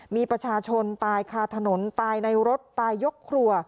มีประชาชนตายคาถนนตายในรถตายยกครัว